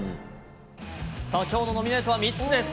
さあ、きょうのノミネートは３つです。